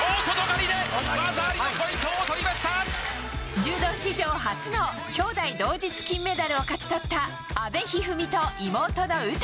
柔道史上初の兄妹同日金メダルを勝ち取った阿部一二三と妹の詩。